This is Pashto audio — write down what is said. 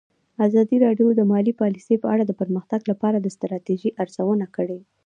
ازادي راډیو د مالي پالیسي په اړه د پرمختګ لپاره د ستراتیژۍ ارزونه کړې.